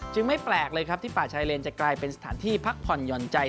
ไม่แปลกเลยครับที่ป่าชายเลนจะกลายเป็นสถานที่พักผ่อนหย่อนใจ